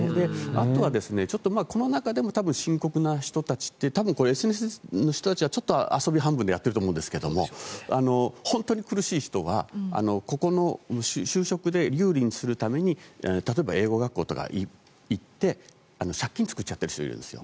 あとはこの中でも深刻な人たちってＳＮＳの人たちはちょっと遊び半分でやっていると思うんですが本当に苦しい人はここの就職で有利にするために例えば英語学校とか行って借金を作ってる人とかいるんです。